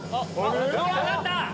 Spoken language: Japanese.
下がった！